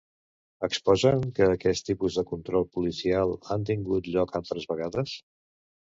Exposen que aquest tipus de control policial han tingut lloc altres vegades?